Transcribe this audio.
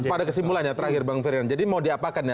pada kesimpulannya terakhir bang ferdinand jadi mau diapakan ya